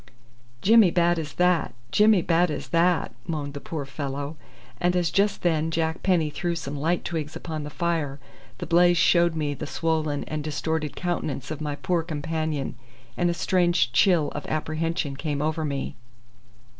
"Jimmy bad as that Jimmy bad as that," moaned the poor fellow; and as just then Jack Penny threw some light twigs upon the fire, the blaze showed me the swollen and distorted countenance of my poor companion, and a strange chill of apprehension came over me.